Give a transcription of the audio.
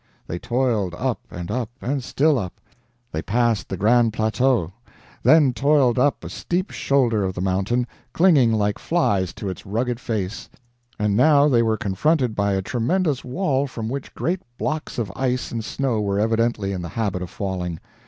They toiled up, and up, and still up; they passed the Grand Plateau; then toiled up a steep shoulder of the mountain, clinging like flies to its rugged face; and now they were confronted by a tremendous wall from which great blocks of ice and snow were evidently in the habit of falling.